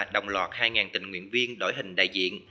đồng loạt hai tình nguyện viên đổi hình đại diện